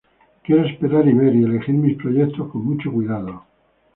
Quiero esperar y ver, y elegir mis proyectos con mucho cuidado.